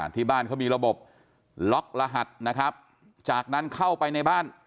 ที่บ้านเขามีระบบล็อกรหัสนะครับจากนั้นเข้าไปในบ้าน